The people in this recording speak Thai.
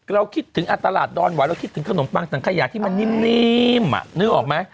เราคิดถึงตลาดดอนไหวเราคิดถึงขนมปังสังขยะที่มันนิ่มนึกออกไหม